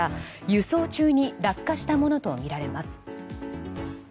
輸送中に落下したものとみられます。